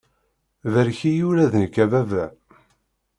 Barek-iyi, ula d nekk, a baba!